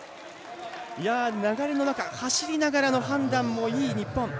流れの中走りながらの判断もいい日本。